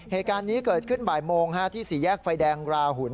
เหตุการณ์นี้เกิดขึ้นบ่ายโมงที่สี่แยกไฟแดงราหุ่น